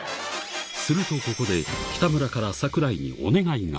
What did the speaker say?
するとここで、北村から櫻井にお願いが。